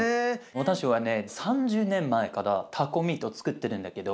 私はね３０年前からタコミートつくってるんだけど。